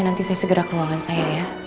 nanti saya segera ke ruangan saya ya